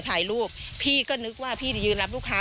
ถ่ายรูปพี่ก็นึกว่าพี่จะยืนรับลูกค้า